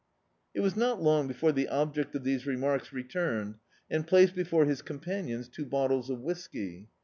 It was not long before the object of these remarks returned and placed before his companions two bot tles of whis]^.